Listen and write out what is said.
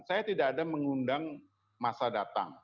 saya tidak ada mengundang masa datang